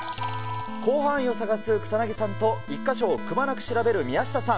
広範囲を探す草薙さんと、１か所をくまなく調べる宮下さん。